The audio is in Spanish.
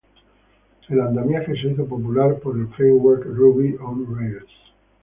El andamiaje se hizo popular por el framework Ruby on Rails.